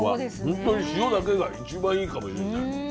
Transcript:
本当に塩だけが一番いいかもしんない。